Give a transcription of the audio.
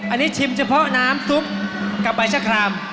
อันนี้ชิมเฉพาะน้ำซุปกับใบชะคราม